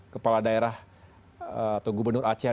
kepala daerah atau gubernur aceh